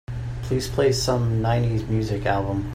Please play some nineties music album.